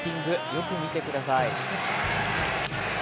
よく見てください。